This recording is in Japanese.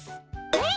えい。